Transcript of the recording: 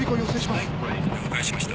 了解しました。